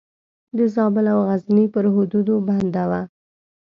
د زابل او غزني پر حدودو بنده وه.